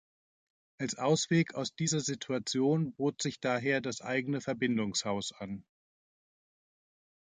Als Ausweg aus dieser Situation bot sich daher das eigene Verbindungshaus an.